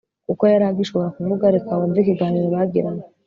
kuko yari agishobora kuvuga reka wumve ikiganiro bagiranye